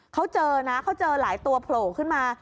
เขาเจอนะเขาเจอหลายตัวโผล่ขึ้นมา